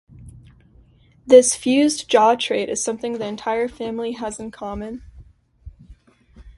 This fused jaw trait is something the entire family has in common.